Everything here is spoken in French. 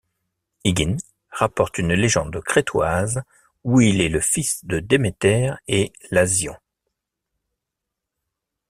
Hygin rapporte une légende crétoise où il est le fils de Déméter et Iasion.